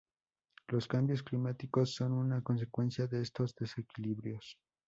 Los cambios climáticos son una consecuencia de estos desequilibrios.